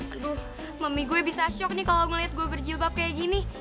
aduh mami gue bisa shock nih kalau ngeliat gue berjilbab kayak gini